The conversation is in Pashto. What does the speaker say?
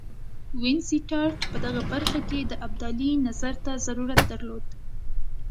وینسیټارټ په دغه برخه کې د ابدالي نظر ته ضرورت درلود.